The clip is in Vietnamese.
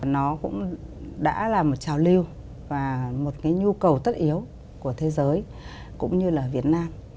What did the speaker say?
nó cũng đã là một trào lưu và một cái nhu cầu tất yếu của thế giới cũng như là việt nam